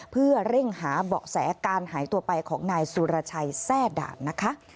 เพื่อเร่งหาเบาะแสการหายตัวไปของนายสุรชัยแทร่ด่านนะคะ